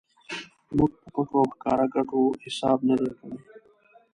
موږ په پټو او ښکاره ګټو حساب نه دی کړی.